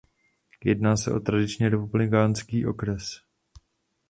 Jedná se o tradičně republikánský okres.